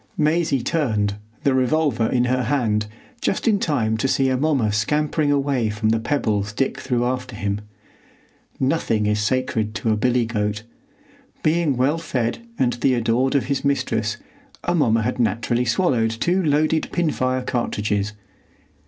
Maisie turned, the revolver in her hand, just in time to see Amomma scampering away from the pebbles Dick threw after him. Nothing is sacred to a billy goat. Being well fed and the adored of his mistress, Amomma had naturally swallowed two loaded pin fire cartridges.